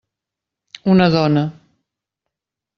Una dona.